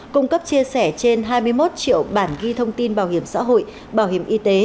cung cấp chia sẻ trên hai mươi một triệu bản ghi thông tin bảo hiểm xã hội bảo hiểm y tế